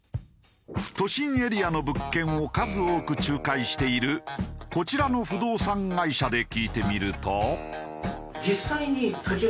都心エリアの物件を数多く仲介しているこちらの不動産会社で聞いてみると。